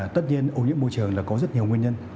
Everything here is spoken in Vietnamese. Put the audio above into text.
tất nhiên ô nhiễm môi trường là có rất nhiều nguyên nhân